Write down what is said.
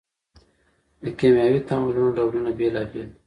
د کیمیاوي تعاملونو ډولونه بیلابیل دي.